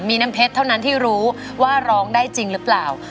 มีน้ำเพชรเท่านั้นที่รู้ว่าร้องได้จริงหรือเปล่า